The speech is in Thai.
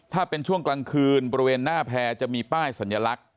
ถ้าเป็นช่วงกลางคืนบริเวณหน้าแพร่จะมีป้ายสัญลักษณ